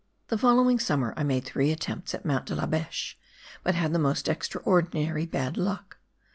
The following summer I made three attempts at Mount De la Beche, but had the most extraordinary bad luck.